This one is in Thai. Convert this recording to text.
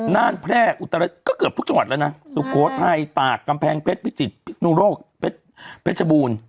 น่านแพร่ก็เกือบทุกจังหวัดแล้วนะสุโครไทยปากกำแพงเพชรพิจิตรพิชโนโลกพิชบูรณ์